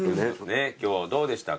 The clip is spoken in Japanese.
今日どうでしたか？